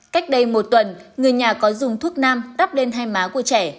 cách đây một tuần người nhà có dùng thuốc nam tắp lên hai má của trẻ